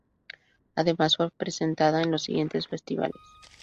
Además fue presentada en los siguientes festivales.